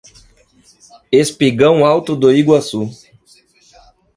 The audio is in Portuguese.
Espigão Alto do Iguaçu